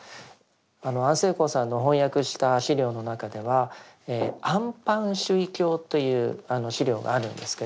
安世高さんの翻訳した資料の中では「安般守意経」という資料があるんですけれども。